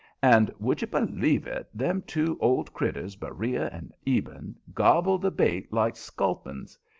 And, would you b'lieve it, them two old critters, Beriah and Eben, gobbled the bait like sculpins.